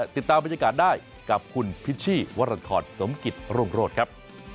ติดตามบรรยากาศได้กับคุณพิชชี่วรทรสมกิจรุ่งโรธครับ